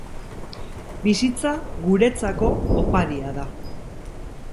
Bizitza guretzako oparia da.